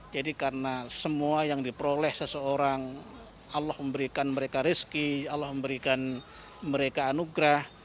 jadi karena semua yang diperoleh seseorang allah memberikan mereka rezeki allah memberikan mereka anugerah